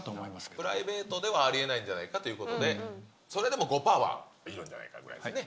プライベートではありえないんじゃないかということで、それでも５パーはいるんじゃないかぐらいですね。